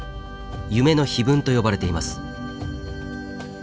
夢の碑文と呼ばれています。